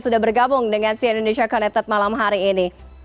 sudah bergabung dengan cn indonesia connected malam hari ini